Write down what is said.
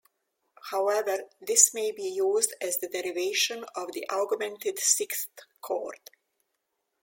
However, this may be used as the derivation of the augmented sixth chord.